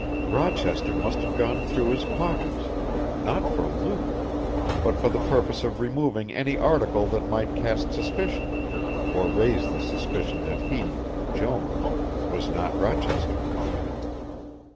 Rochester must have gone through his pockets, not for loot, but for the purpose of removing any article that might cast suspicion, or raise the suspicion that he, Jones, was not Rochester.